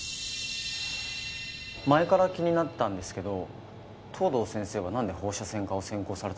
前から気になってたんですけど藤堂先生はなんで放射線科を専攻されたんですか？